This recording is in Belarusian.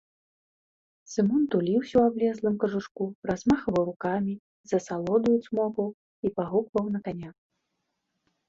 Сымон туліўся ў аблезлым кажушку, размахваў рукамі, з асалодаю цмокаў і пагукваў на каня.